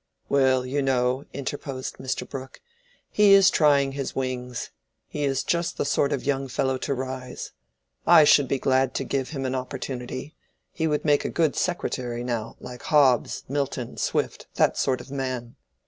"Well, you know," interposed Mr. Brooke, "he is trying his wings. He is just the sort of young fellow to rise. I should be glad to give him an opportunity. He would make a good secretary, now, like Hobbes, Milton, Swift—that sort of man."